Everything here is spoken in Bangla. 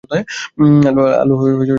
আলো ভালোই আছে, না?